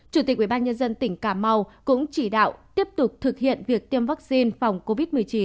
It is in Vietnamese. chủ tịch ubnd tỉnh cà mau cũng chỉ đạo tiếp tục thực hiện việc tiêm vaccine phòng covid một mươi chín